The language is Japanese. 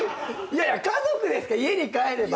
家族ですから家に帰れば。